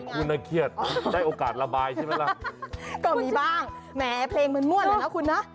คุณน่าเครียดได้โอกาสระบายใช่ไหมล่ะก็มีบ้างแหมเพลงมันม่วนเลยนะคุณนะ